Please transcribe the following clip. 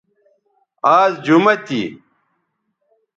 آز جمہ تھی